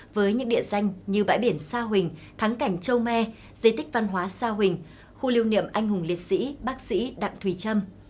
với những địa danh như bãi biển sa huỳnh thắng cảnh châu me di tích văn hóa sa huỳnh khu lưu niệm anh hùng liệt sĩ bác sĩ đặng thùy trâm